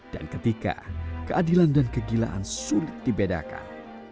dan ketika keadilan dan kegilaan sulit dibedakan